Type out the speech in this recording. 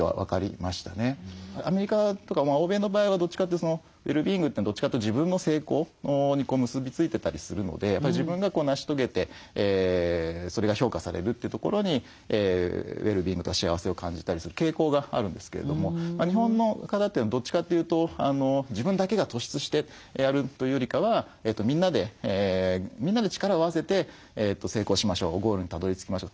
アメリカとか欧米の場合はどっちかというとウェルビーイングってどっちかというと自分の成功に結び付いてたりするので自分が成し遂げてそれが評価されるというところにウェルビーイングとか幸せを感じたりする傾向があるんですけれども日本の方ってどっちかというと自分だけが突出してやるというよりかはみんなで力を合わせて成功しましょうゴールにたどりつきましょうという。